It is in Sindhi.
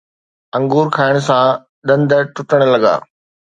انگور کائڻ سان ڏند ٽٽڻ لڳا